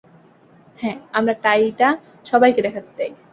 হ্যাঁ, আমার টাইটা সবাইকে দেখাতে চাই।